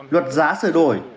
luật giá sửa đổi